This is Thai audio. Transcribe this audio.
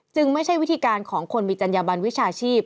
ไม่ใช่วิธีการของคนมีจัญญบันวิชาชีพ